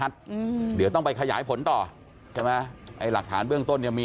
เดี๋ยวต้องไปขยายผลต่อใช่ไหมหลักฐานเรื่องต้นยังมี